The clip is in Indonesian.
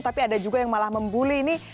tapi ada juga yang malah membuli ini